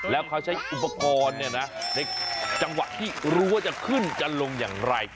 แล้วเขาใช้อุปกรณ์ในจังหวะที่รู้ว่าจะขึ้นจะลงอย่างไร